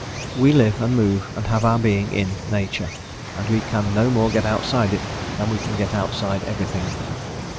We live, and move, and have our being in nature; and we can no more get outside it than we can get outside everything.